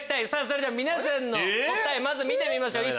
それでは皆さんの答えまず見てみましょう。